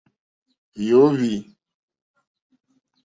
Yǒhwì.